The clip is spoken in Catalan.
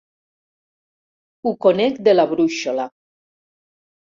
Ho conec de la brúixola.